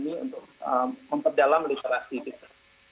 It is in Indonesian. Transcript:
untuk memperdalam literasi kita